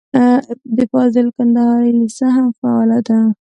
د فاضل کندهاري لېسه هم فعاله ده.